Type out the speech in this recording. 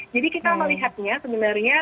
jadi kita melihatnya sebenarnya